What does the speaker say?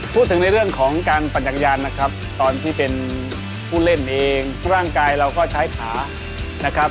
พูดถึงในเรื่องของการปัจจักรยานนะครับตอนที่เป็นผู้เล่นเองร่างกายเราก็ใช้ขานะครับ